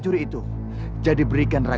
alamu tidak ada